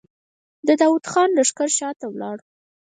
د داوود خان لښکر شاته لاړ.